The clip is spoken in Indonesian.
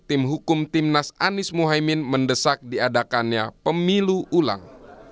tim hukum timnas anies mohaimin mendesak diadakannya pemilu ulang